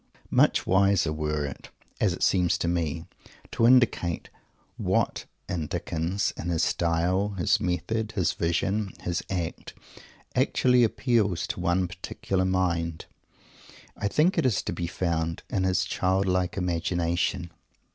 Much wiser were it, as it seems to me, to indicate what in Dickens in his style, his method, his vision, his art actually appeals to one particular mind. I think it is to be found in his childlike Imagination.